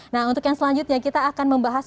nah untuk yang selanjutnya kita akan membahas